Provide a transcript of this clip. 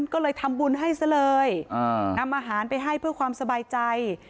ก็เลยทำบุญให้ซะเลยนำอาหารไปให้เพื่อความสบายใจ